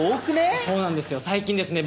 そうなんですよ最近ですね